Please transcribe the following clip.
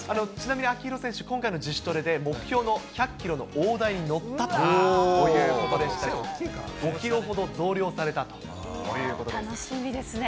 ちなみに秋広選手、今回の自主トレで目標の１００キロの大台に乗ったということで、５キロほど増量されたということです。